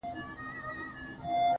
o فکر مي وران دی حافظه مي ورانه .